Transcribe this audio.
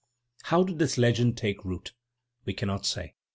How did this legend take root? We cannot say.